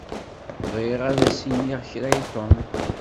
Bɣiɣ ad as-iniɣ kra i Tom.